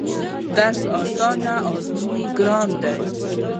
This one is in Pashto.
درس اسان ازمون يې ګران دی